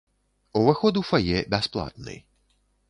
Уваход у фае бясплатны.